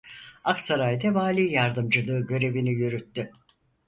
Aksaray'da vali yardımcılığı görevini yürüttü.